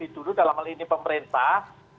dulu dalam hal ini pemerintah